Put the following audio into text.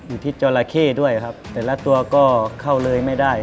อยู่ที่จราเข้ด้วยครับแต่ละตัวก็เข้าเลยไม่ได้